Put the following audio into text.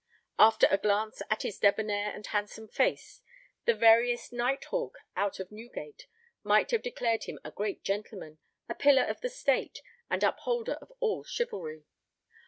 After a glance at his debonair and handsome face the veriest nighthawk out of Newgate might have declared him a great gentleman, a pillar of the state, and upholder of all chivalry.